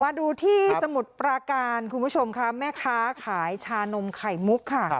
มาดูที่สมุทรปราการคุณผู้ชมค่ะแม่ค้าขายชานมไข่มุกค่ะ